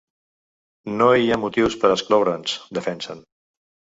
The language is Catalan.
No hi ha motius per a excloure’ns, defensen.